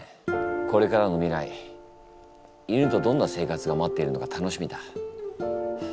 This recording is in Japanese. これからの未来犬とどんな生活が待っているのか楽しみだ。